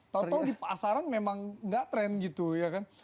tau tau di pasaran memang nggak tren gitu ya kan